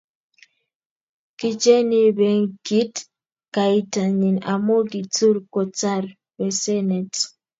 kicheny benkit kaitanyin amu kitur kotar besenet